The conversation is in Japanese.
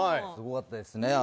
すごかったですね。